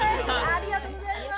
ありがとうございます！